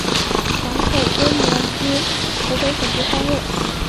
港口规模居湖北省第三位。